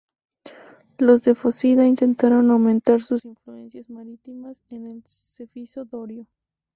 Los de Fócida intentaron aumentar sus influencias marítimas en el Cefiso dorio.